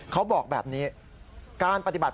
เขาบอกแบบนี้การปฏิบัติ